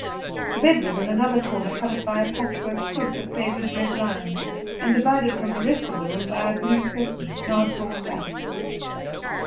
The bed was in another corner, covered by a patchwork quilt of faded red lions, and divided from the rest of the room by a blue curtain, now drawn back.